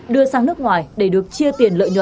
đưa sang nước ngoài để được chia tiền lợi nhuận